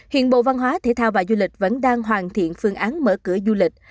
hiện bộ văn hóa thể thao và du lịch vẫn đang hoàn thiện phương án mở cửa du lịch